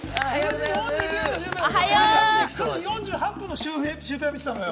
さっき９時４８分のシュウペイを見てたのよ。